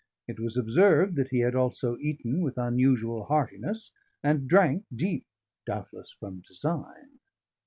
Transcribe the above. It was observed that he had also eaten with unusual heartiness, and drank deep, doubtless from design.